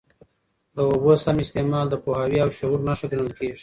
د اوبو سم استعمال د پوهاوي او شعور نښه ګڼل کېږي.